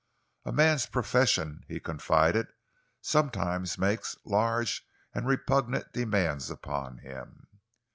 "A man's profession," he confided, "sometimes makes large and repugnant demands upon him."